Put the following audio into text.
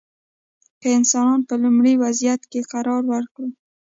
که انسانان په لومړني وضعیت کې قرار ورکړو.